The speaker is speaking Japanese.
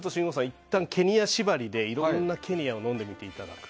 いったんケニア縛りでいろんなケニアを飲んでみていただく。